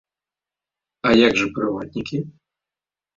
А як жа прыватнікі?